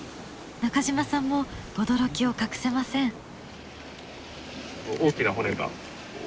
中島さんも驚きを隠せません。